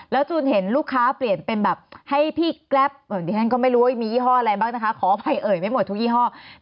จูนเห็นลูกค้าเปลี่ยนเป็นแบบให้พี่แกรปดิฉันก็ไม่รู้ว่ามียี่ห้ออะไรบ้างนะคะขออภัยเอ่ยไม่หมดทุกยี่ห้อ